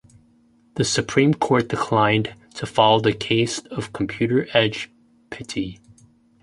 The Supreme Court declined to follow the case of Computer Edge Pty.